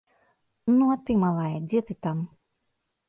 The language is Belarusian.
Ну а ты, малая, дзе ты там?